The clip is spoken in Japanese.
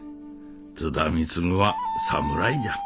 津田貢は侍じゃ。